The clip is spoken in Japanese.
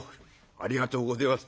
「ありがとうごぜえます。